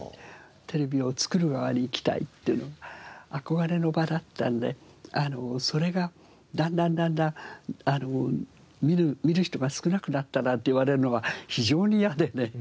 テレビを作る側に行きたいっていうのが憧れの場だったのでそれがだんだんだんだん見る人が少なくなったなんていわれるのは非常に嫌でね。